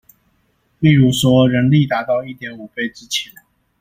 例如說人力達到一點五倍之前